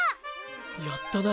やったな！